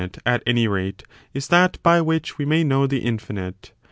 e, at any rate, is that by which we may know the infinite.